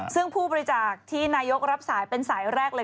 ซึ่งผู้บริจาคที่นายกรับสายเป็นสายแรกเลย